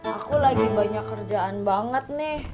aku lagi banyak kerjaan banget nih